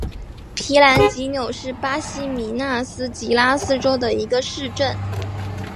皮兰吉纽是巴西米纳斯吉拉斯州的一个市镇。